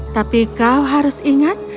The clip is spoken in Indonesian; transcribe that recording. tapi kau harus ingat